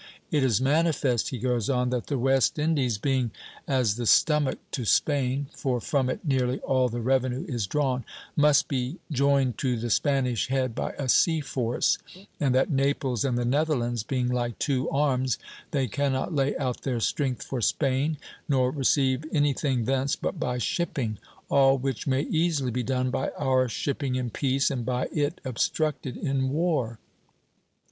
It is manifest," he goes on, "that the West Indies, being as the stomach to Spain (for from it nearly all the revenue is drawn), must be joined to the Spanish head by a sea force; and that Naples and the Netherlands, being like two arms, they cannot lay out their strength for Spain, nor receive anything thence but by shipping, all which may easily be done by our shipping in peace, and by it obstructed in war."